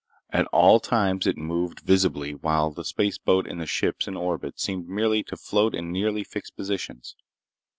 At all times it moved visibly, while the spaceboat and the ships in orbit seemed merely to float in nearly fixed positions.